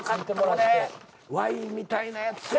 ワインみたいなやつ。